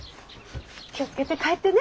気を付けて帰ってね。